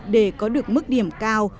để có được mức điểm cao